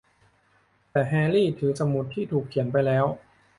แต่แฮร์รี่ถือสมุดที่ถูกเขียนไปแล้ว